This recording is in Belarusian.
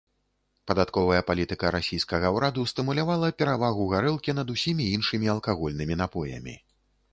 Падатковая палітыка расійскага ўраду стымулявала перавагу гарэлкі над усімі іншымі алкагольнымі напоямі.